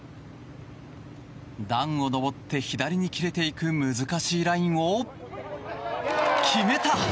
段を上って左に切れていく難しいラインを決めた！